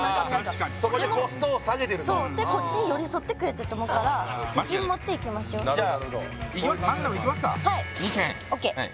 そこでコストを下げてるとそうでこっちに寄り添ってくれてると思うから自信持っていきましょうじゃあマグナムいきますかはいＯＫ２０００円